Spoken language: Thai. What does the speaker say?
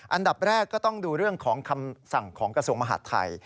อันดับแรกก็ต้องดูเรื่องของคำสั่งของกระทรวงมหาดไทย